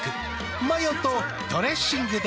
マヨとドレッシングで。